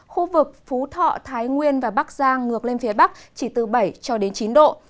khu vực phú thọ thái nguyên và bắc giang ngược lên phía bắc chỉ từ bảy cho đến chín độ